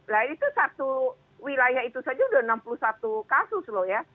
lah itu satu wilayah itu saja sudah enam puluh satu kasus loh ya